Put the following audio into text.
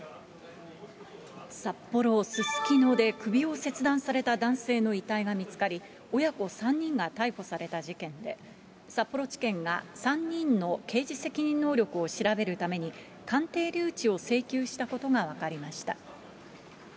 札幌・すすきので首を切断された男性の遺体が見つかり、親子３人が逮捕された事件で、札幌地検が３人の刑事責任能力を調べるために、鑑定留置を請求したことが分かりました。